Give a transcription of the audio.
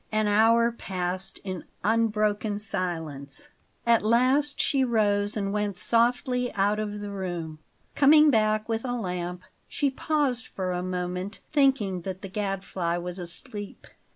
An hour passed in unbroken silence. At last she rose and went softly out of the room. Coming back with a lamp, she paused for a moment, thinking that the Gadfly was asleep.